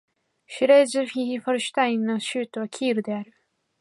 シュレースヴィヒ＝ホルシュタイン州の州都はキールである